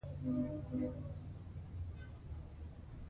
بڼه رنګ یا شکل ته وایي.